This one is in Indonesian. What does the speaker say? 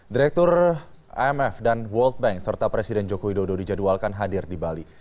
direktur imf dan world bank serta presiden joko widodo dijadwalkan hadir di bali